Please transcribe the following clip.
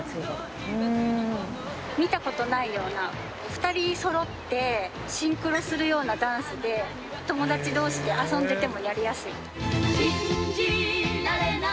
２人そろってシンクロするようなダンスで友達同士で遊んでてもやりやすい。